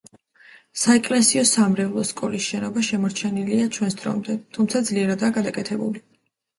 საეკლესიო-სამრევლო სკოლის შენობა შემორჩენილია ჩვენს დრომდე, თუმცა ძლიერადაა გადაკეთებული.